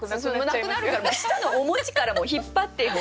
なくなるから下のお餅から引っ張って。